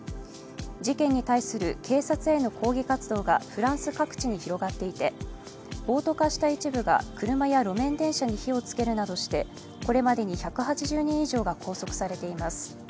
事件に対する警察への抗議活動がフランス各地に広がっていて、暴徒化した一部が車や路面電車に火をつけるなどしてこれまでに１８０人以上が拘束されています。